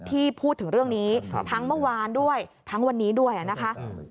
ที่พูดถึงเรื่องนี้ทั้งเมื่อวานด้วยทั้งวันนี้ด้วยนะคะ